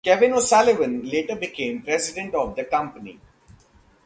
Kevin O'Sullivan later became president of the company.